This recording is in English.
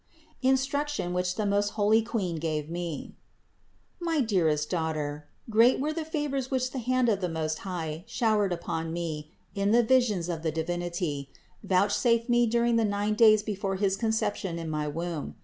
INSTRUCTION WHICH THE MOST HOLY QUEEN GAVE ME. 35. My dearest daughter, great were the favors which the hand of the Most High showered upon me in the visions of the Divinity, vouchsafed me during the nine days before his conception in my womb.